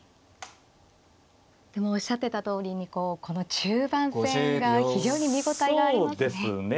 でもおっしゃってたとおりにこの中盤戦が非常に見応えがありますね。